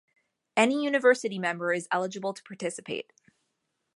Any university member is eligible to participate.